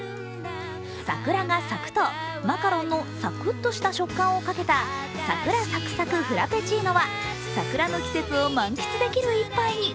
桜が咲くとマカロンのサクっとした食感をかけたさくら咲くサクフラペチーノは桜の季節を満喫できる１杯に。